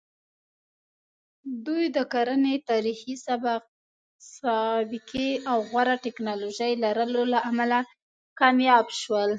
دوی د کرنې تاریخي سابقې او غوره ټکنالوژۍ لرلو له امله کامیاب شول.